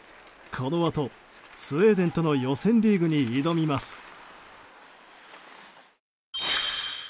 このあと、スウェーデンとの予選リーグに挑みます。